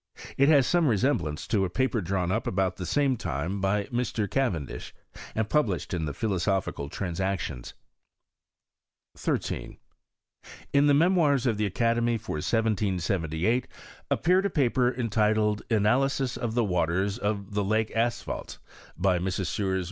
It has some resemblance to a paper drawn up about the same time by Mr. Ca irendish, and published in the Philosophical Trans ictions. 13. In the Memoirs of the Academy, for 1778, BLppeared a paper entitled " Analysis of the Water* [>f the Lake Asphaltes, by Messrs.